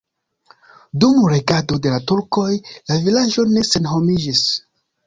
Dum regado de la turkoj la vilaĝo ne senhomiĝis.